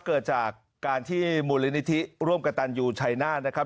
เกิดจากการที่มูลนิธิร่วมกับตันยูชัยหน้านะครับ